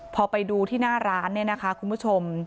พอไปดูที่หน้าร้านคุณผู้ชม